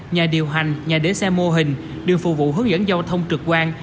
nhà điều hành nhà để xe mô hình đường phục vụ hướng dẫn giao thông trực quan